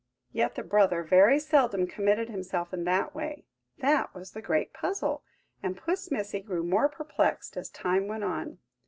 Yet the brother very seldom committed himself in that way–that was the great puzzle, and Puss Missy grew more perplexed as time went on.